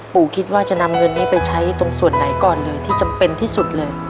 คิดว่าจะนำเงินนี้ไปใช้ตรงส่วนไหนก่อนเลยที่จำเป็นที่สุดเลย